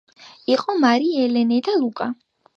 იყო მარი, ელენე და ლუკა